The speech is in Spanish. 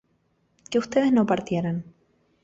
que ustedes no partieran